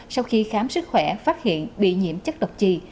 sau khi khám sức khỏe phát hiện bị nhiễm chất độc trì